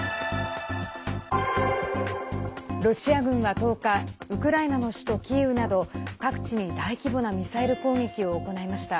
ロシア軍は１０日ウクライナの首都キーウなど各地に大規模なミサイル攻撃を行いました。